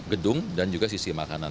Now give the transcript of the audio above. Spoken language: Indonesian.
gedung dan juga sisi makanan